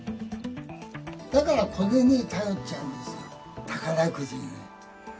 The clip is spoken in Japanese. だからこれに頼っちゃうんですよ、宝くじに。